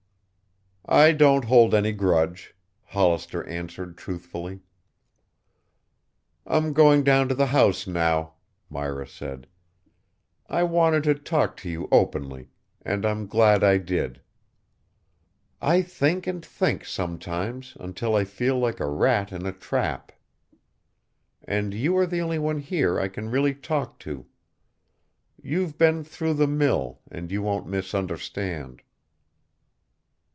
"I don't hold any grudge," Hollister answered truthfully. "I'm going down to the house, now," Myra said. "I wanted to talk to you openly, and I'm glad I did. I think and think sometimes until I feel like a rat in a trap. And you are the only one here I can really talk to. You've been through the mill and you won't misunderstand."